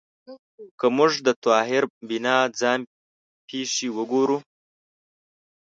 که موږ د طاهر بینا ځان پېښې وګورو